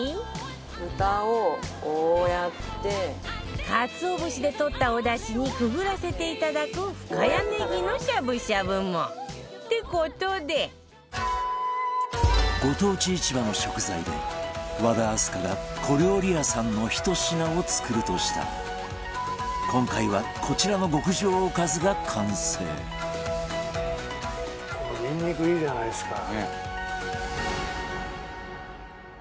更にかつお節で取った、おだしにくぐらせていただく深谷ネギのしゃぶしゃぶも。って事でご当地市場の食材で和田明日香が小料理屋さんのひと品を作るとしたら今回はこちらの極上おかずが完成長嶋：このニンニクいいじゃないですか。